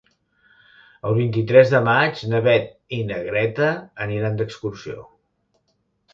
El vint-i-tres de maig na Beth i na Greta aniran d'excursió.